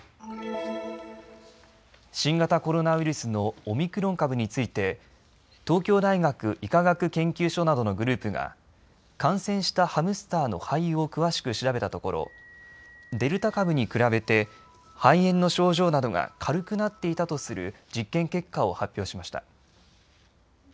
新型コロナウイルスのオミクロン株について東京大学医科学研究所などのグループが感染したハムスターの肺を詳しく調べたところデルタ株に比べて肺炎の症状などが軽くなっていたとする実験結果を発表しました。